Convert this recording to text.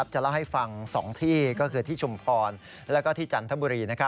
จะเล่าให้ฟัง๒ที่ก็คือที่ชุมพรแล้วก็ที่จันทบุรี